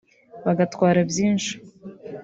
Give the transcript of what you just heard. bagatwara byinshi